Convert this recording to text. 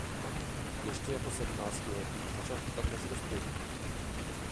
Ještě jako sedmnáctiletý začal chytat mezi dospělými.